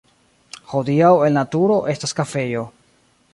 Hodiaŭ en la turo estas kafejo.